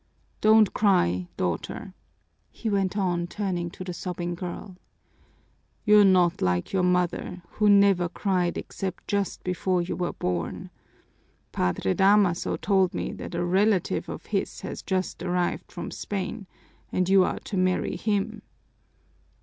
Don't cry, daughter," he went on, turning to the sobbing girl. "You're not like your mother, who never cried except just before you were born. Padre Damaso told me that a relative of his has just arrived from Spain and you are to marry him."